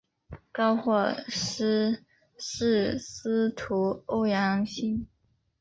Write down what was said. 高获师事司徒欧阳歙。